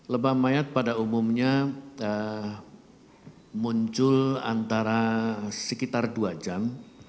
lebah mayat pada umumnya muncul antara sekitar dua jam